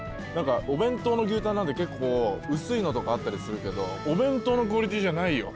お弁当の牛タンなんて結構薄いのとかあったりするけどお弁当のクオリティーじゃないよ。